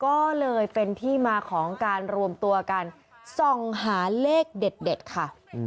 ก็เลยเป็นที่มาของการรวมตัวกันส่องหาเลขเด็ดค่ะ